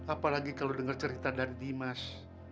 apalagi kalau dengar cerita dari dimas